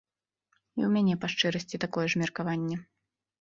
І ў мяне, па шчырасці, такое ж меркаванне.